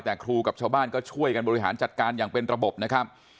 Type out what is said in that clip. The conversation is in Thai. แต่ครูกับชาวบ้านก็ช่วยกันบริหารจัดการอย่างเป็นระบบนะครับ